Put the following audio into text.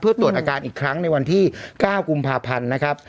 เพื่อตรวจอาการอีกครั้งในวันที่๙กุมภาพันธ์นะครับ